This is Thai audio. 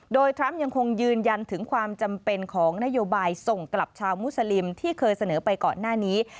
โดยทรัมป์ยังคงยืนยันถึงความจำเป็นของนโยบายส่งกลับชาวมุสลิมที่เคยเสนอไปก่อนหน้านี้